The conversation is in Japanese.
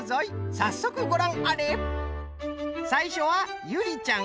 さっそくごらんあれ！